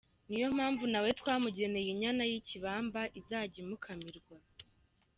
Ni yo mpamvu nawe twamugeneye inyana y’ikibamba izajya imukamirwa”.